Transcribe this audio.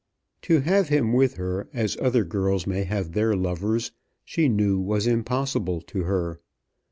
To have him with her as other girls may have their lovers, she knew was impossible to her.